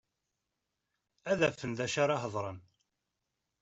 Ad afen d acu ara hedren.